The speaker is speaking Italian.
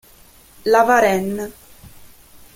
La Varenne